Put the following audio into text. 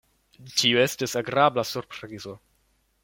Tio estis agrabla surprizo.